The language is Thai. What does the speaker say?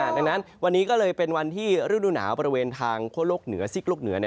ดังนั้นวันนี้ก็เลยเป็นวันที่ฤดูหนาวบริเวณทางคั่วโลกเหนือซิกโลกเหนือ